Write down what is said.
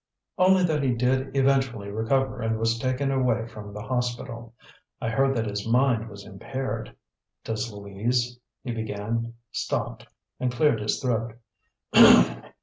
"Only that he did eventually recover and was taken away from the hospital. I heard that his mind was impaired. Does Louise " he began; stopped, and cleared his throat.